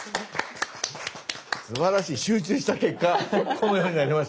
すばらしい集中した結果このようになりました。